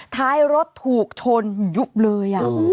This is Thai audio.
ท้ายรถถูกชนยุบเลย